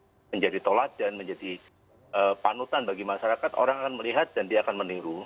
kalau itu bisa menjadi tolat dan menjadi panutan bagi masyarakat orang akan melihat dan dia akan meniru